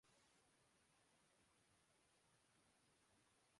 اب یہ تحریک انصاف کا امتحان ہے کہ